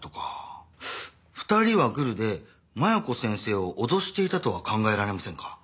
２人はグルで麻弥子先生を脅していたとは考えられませんか？